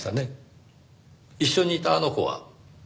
一緒にいたあの子は？